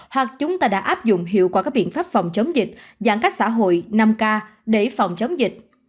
hoặc chúng ta đã áp dụng hiệu quả các biện pháp phòng chống dịch giãn cách xã hội năm k để phòng chống dịch